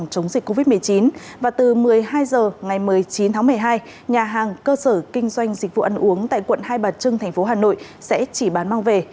chống dịch covid một mươi chín và từ một mươi hai h ngày một mươi chín tháng một mươi hai nhà hàng cơ sở kinh doanh dịch vụ ăn uống tại quận hai bà trưng tp hà nội sẽ chỉ bán mang về